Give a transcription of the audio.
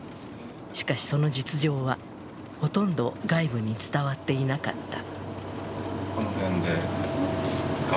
しかし、その実情はほとんど外部に伝わっていなかった。